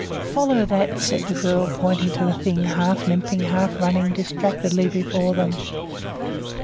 "Follow THAT!" the girl cried, pointing to the Thing half limping, half running distractedly before them.